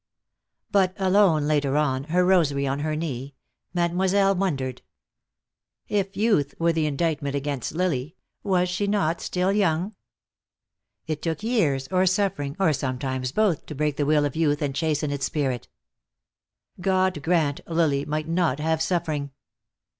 But, alone later on, her rosary on her knee, Mademoiselle wondered. If youth were the indictment against Lily, was she not still young? It took years, or suffering, or sometimes both, to break the will of youth and chasten its spirit. God grant Lily might not have suffering.